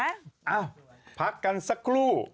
เอ้าพักกันสักครู่